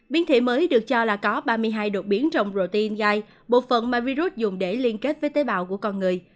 biến thể mới được cho là có ba mươi hai đột biến trong rt gai bộ phận mà virus dùng để liên kết với tế bào của con người